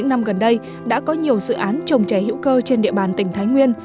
những năm gần đây đã có nhiều dự án trồng chè hữu cơ trên địa bàn tỉnh thái nguyên